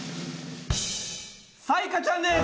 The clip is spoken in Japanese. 彩加ちゃんです！